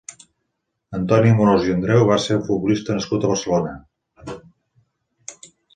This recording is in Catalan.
Antoni Amorós i Andreu va ser un futbolista nascut a Barcelona.